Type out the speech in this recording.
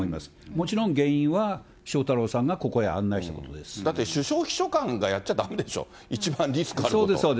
もちろん、原因は翔太郎さんがこだって、首相秘書官がやっちゃだめでしょ、一番リスクがある。